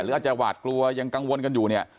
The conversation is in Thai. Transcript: อาจจะหวาดกลัวยังกังวลกันอยู่เนี่ย